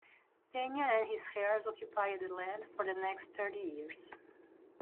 Peña and his heirs occupied the land for the next thirty years.